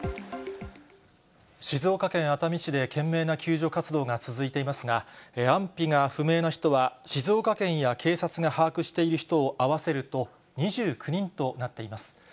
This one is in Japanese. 静岡県熱海市で懸命な救助活動が続いていますが、安否が不明な人は、静岡県や警察が把握している人を合わせると、２９人となっています。